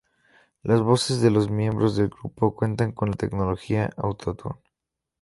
Las voces de los miembros del grupo cuentan con la tecnología auto-tune.